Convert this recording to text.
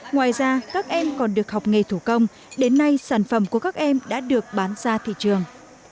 ngoài ra các em còn được học nghề thủ công đến nay sản phẩm của các em đã được bán ra thị trường